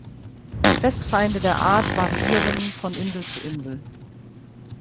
Fressfeinde der Art variieren von Insel zu Insel.